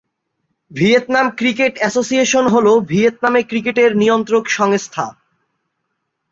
Vietnam cricket association হল, ভিয়েতনামে ক্রিকেটের নিয়ন্ত্রক সংস্থা।